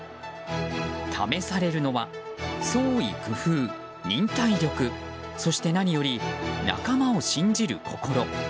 試されるのは、創意工夫、忍耐力そして、何より仲間を信じる心。